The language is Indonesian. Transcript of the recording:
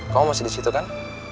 kamu masih disitu kan